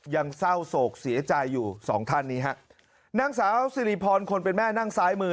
ยังเศร้าโศกเสียใจอยู่สองท่านนี้ฮะนางสาวสิริพรคนเป็นแม่นั่งซ้ายมือ